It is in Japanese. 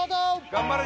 頑張れ！